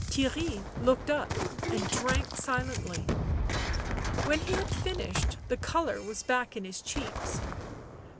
Theirry looked up and drank silently. When he had finished, the colour was back in his cheeks.